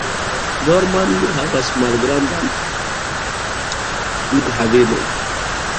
Norman havas malgrandan flughavenon.